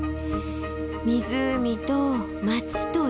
湖と町と山。